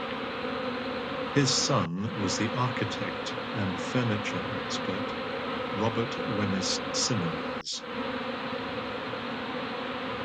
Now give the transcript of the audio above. His son was the architect and furniture expert Robert Wemyss Symonds.